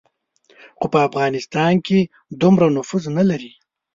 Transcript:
خو په افغانستان کې دومره نفوذ نه لري.